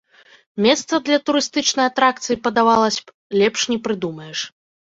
Месца для турыстычнай атракцыі, падавалася б, лепш не прыдумаеш.